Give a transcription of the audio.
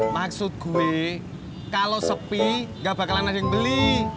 maksud gue kalau sepi gak bakalan ada yang beli